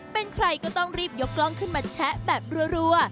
เป็นใครก็ต้องรีบยกกล้องขึ้นมาแชะแบบรัว